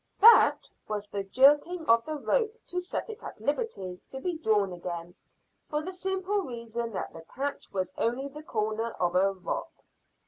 That was the jerking of the rope to set it at liberty to be drawn in again, for the simple reason that the catch was only the corner of a rock.